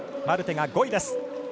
マルテが５位です。